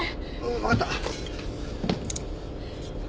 分かった。